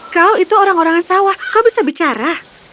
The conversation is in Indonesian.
kau itu orang orang sawah kau bisa bicara